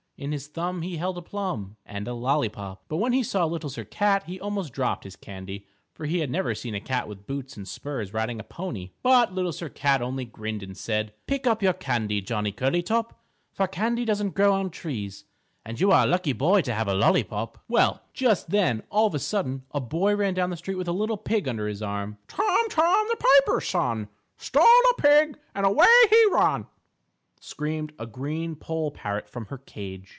In his thumb he held a plum And a lollypop._ But when he saw Little Sir Cat, he almost dropped his candy, for he had never seen a cat with boots and spurs riding on a pony. But Little Sir Cat only grinned and said: "Pick up your candy, Johnny Curlytop, for candy doesn't grow on trees, and you are a lucky boy to have a lollypop." [Illustration: LITTLE SIR CAT MEETS TOM, THE PIPER'S SON] Well, just then, all of a sudden, a boy ran down the street with a little pig under his arm. "Tom, Tom, the Piper's Son, Stole a pig and away he run," screamed a green poll parrot from her cage.